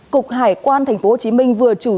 cục hải quan tp hcm vừa chủ yếu